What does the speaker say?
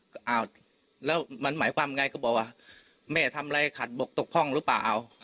ก็อ้าวแล้วมันหมายความไงก็บอกว่าแม่ทำอะไรขัดบกตกพ่องหรือเปล่า